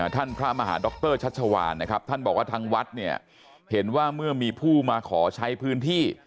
ท่านพระมหาดรชัชวานนะครับท่านบอกว่าทางวัดเนี่ยเห็นว่าเมื่อมีผู้มาขอใช้พื้นที่